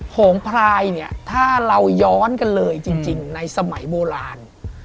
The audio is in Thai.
โหงพลายเนี่ยถ้าเราย้อนกันเลยจริงในสมัยโบราณ